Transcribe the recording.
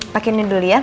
pakain ini dulu ya